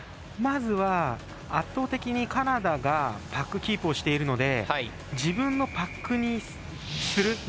まずは圧倒的にカナダがパックキープしているので自分のパックにする。